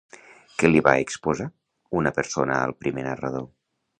Què li va exposar una persona al primer narrador?